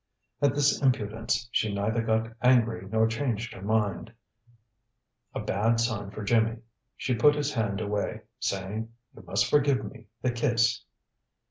At this impudence, she neither got angry nor changed her mind a bad sign for Jimmy. She put his hand away, saying, "You must forgive me the kiss."